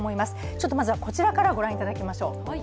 ちょっとまずはこちらからご覧いただきましょう。